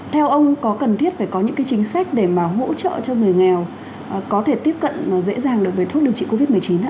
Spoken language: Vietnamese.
không có cần thiết phải có những chính sách để hỗ trợ cho người nghèo có thể tiếp cận dễ dàng được với thuốc điều trị covid một mươi chín